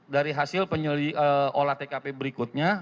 dari hasil olah tkp berikutnya